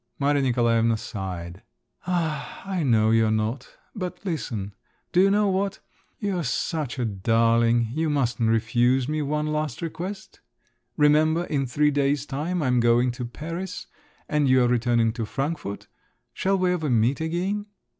Maria Nikolaevna sighed. "Ah, I know you're not. But listen, do you know what, you're such a darling, you mustn't refuse me one last request. Remember in three days' time I am going to Paris, and you are returning to Frankfort…. Shall we ever meet again?"